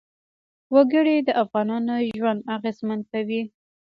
وګړي د افغانانو ژوند اغېزمن کوي.